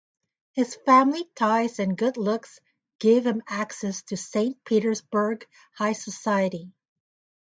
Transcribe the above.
His family ties and good looks gave him access to Saint Petersburg high society.